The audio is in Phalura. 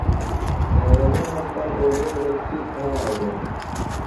گھاوزہ ہر کال اوڈھول وھئی ڇھیتر ہارہ دے۔